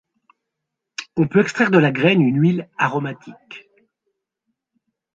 On peut extraire de la graine une huile aromatique.